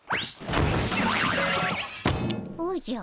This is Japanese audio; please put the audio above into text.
おじゃ。